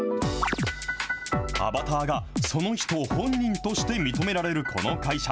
アバターがその人本人として認められるこの会社。